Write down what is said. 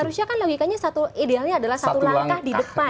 harusnya kan logikanya satu idealnya adalah satu langkah di depan